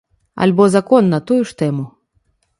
Альбо закон на тую ж тэму.